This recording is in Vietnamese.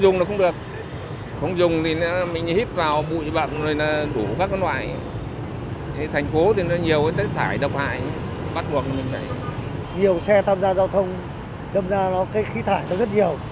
nhiều xe tham gia giao thông đâm ra khí thải rất nhiều